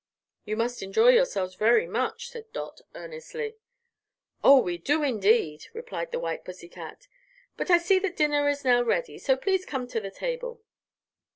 "You must enjoy yourselves very much," said Dot, earnestly. "Oh, we do, indeed!" replied the white pussycat; "but I see that dinner is now ready, so please come to the table."